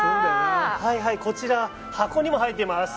こちら、箱にも入ってます。